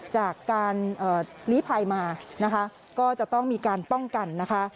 จากการลีภัยมานะคะก็จะต้องมีการป้องกันนะคะ